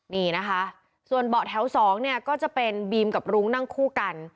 นี่นะคะส่วนเบาะแถวสองเนี่ยก็จะเป็นบีมกับรุ้งนั่งคู่กัน